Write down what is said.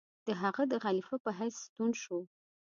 د هغه د خلیفه په حیث ستون شو.